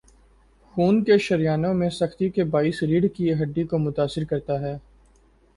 خون کی شریانوں میں سختی کے باعث ریڑھ کی ہڈی کو متاثر کرتا ہے